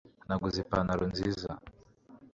naguze ipantaro nziza